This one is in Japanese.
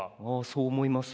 そう思います。